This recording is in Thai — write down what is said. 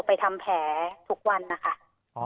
ไปทำแผลทุกวันนะคะ